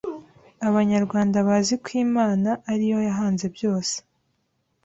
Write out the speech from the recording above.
Abanyarwanda bazi ko Imana ari yo yahanze byose: